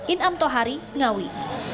in'am tohari ngawi